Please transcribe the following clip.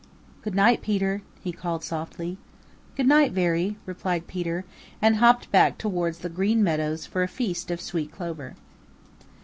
"Good night, Peter," he called softly. "Good night, Veery," replied Peter and hopped back towards the Green Meadows for a feast of sweet clover.